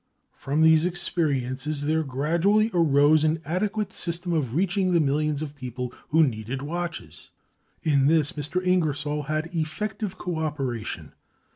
From these experiences there gradually arose an adequate system of reaching the millions of people who needed watches. In this, Mr. Ingersoll had effective cooperation.